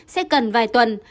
sẽ cần vài tuần